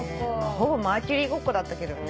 ほぼマーキュリーごっこだったけどね。